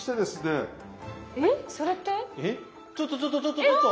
ちょっとちょっとちょっとちょっと！